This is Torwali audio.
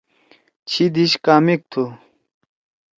چھی دیش کامک تُھو؟